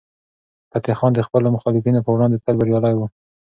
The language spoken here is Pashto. فتح خان د خپلو مخالفینو په وړاندې تل بریالی و.